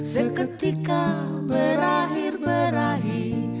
seketika berakhir berahi